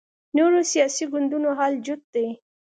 نورو سیاسي ګوندونو حال جوت دی